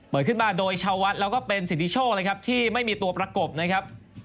ขึ้นมาโดยชาววัดแล้วก็เป็นสิทธิโชคเลยครับที่ไม่มีตัวประกบนะครับ